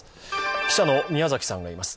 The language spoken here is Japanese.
記者の宮嵜さんがいます。